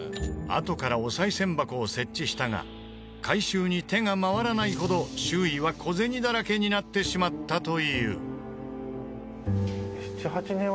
あとからお賽銭箱を設置したが回収に手が回らないほど周囲は小銭だらけになってしまったという。